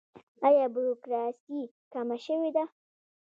آیا بروکراسي کمه شوې ده؟